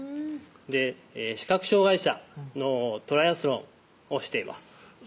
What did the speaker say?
視覚障害者のトライアスロンをしています